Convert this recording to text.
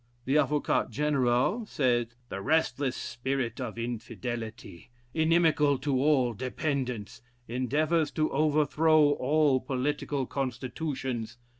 The Avocat General said "The restless spirit of Infidelity, inimical to all dependence, endeavors to overthrow all political constitutions.